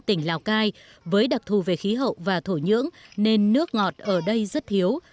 tỉnh lào cai với đặc thù về khí hậu và thổ nhưỡng nên nước ngọt ở đây rất thiếu